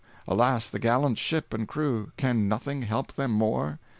Alas, the gallant ship and crew, Can nothing help them more?"